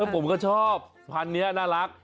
ผมก็ชอบพันธุ์นี้น่ารัก